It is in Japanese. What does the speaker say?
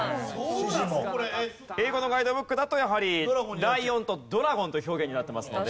これ英語のガイドブックだとやはりライオンとドラゴンという表現になってますので。